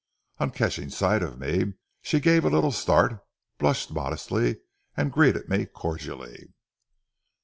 On catching sight of me, she gave a little start, blushed modestly, and greeted me cordially.